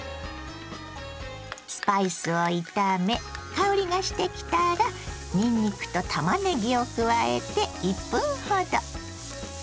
スパイスを炒め香りがしてきたらにんにくとたまねぎを加えて１分ほど。